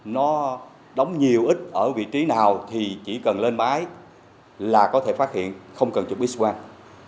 nó đóng nhiều ít ở vị trí nào thì chỉ cần lên máy là có thể phát hiện không cần chụp x quang